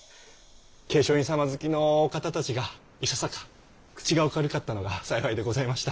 桂昌院様付きのお方たちがいささか口がお軽かったのが幸いでございました。